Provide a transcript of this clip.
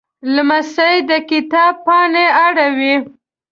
لمسی د کتاب پاڼې اړوي.